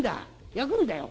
やくんだよ」。